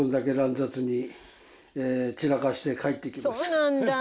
そうなんだ